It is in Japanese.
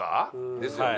ですよね。